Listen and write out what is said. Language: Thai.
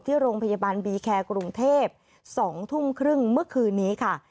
ที่โรงพยาบาลบีแคร์กรุงเทพ๒ทุ่มครึ่งเมื่อคืนนี้ค่ะ